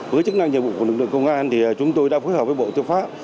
với chức năng nhiệm vụ của lực lượng công an thì chúng tôi đã phối hợp với bộ tư pháp